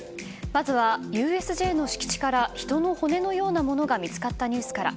まずはＵＳＪの敷地から人の骨のようなものが見つかったニュースから。